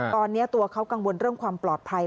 ตอนนี้ตัวเขากังวลเรื่องความปลอดภัย